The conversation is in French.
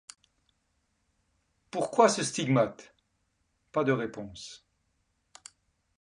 Pourquoi ce stigmate? pas de réponse.